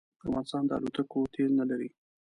افغانستان د الوتکو تېل نه لري